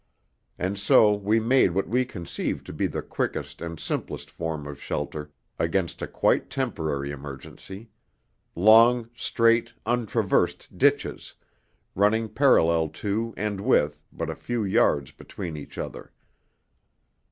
And so we made what we conceived to be the quickest and simplest form of shelter against a quite temporary emergency long, straight, untraversed ditches, running parallel to and with but a few yards between each other.